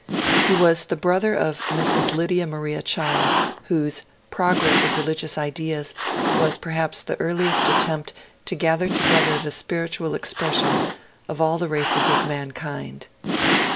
He was the brother of Mrs. Lydia Maria Child, whose " Pro gress of Religious Ideas " was perhaps the earliest attempt to gather together the spiritual expressions of all the races of mankind.